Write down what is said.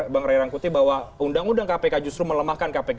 bang ray rangkuti bahwa undang undang kpk justru melemahkan kpk